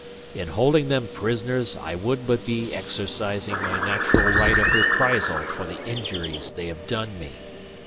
In holding them prisoners I would but be exercising my natural right of reprisal for the injuries they have done me.